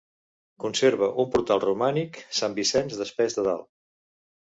Conserva un portal romànic Sant Vicenç d'Espés de Dalt.